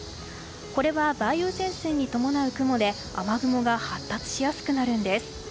これは梅雨前線に伴う雲で雨雲が発達しやすくなるんです。